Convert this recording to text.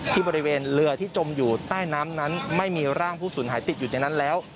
ที่บริเวณเรือที่จมอยู่ใต้น้ำนั้นไม่มีร่างผู้สูญหายติดอยู่ในนั้นแล้ว